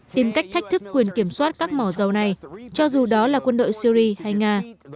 tìm cách thách thức quyền kiểm soát các mỏ dầu này cho dù đó là quân đội syri hay nga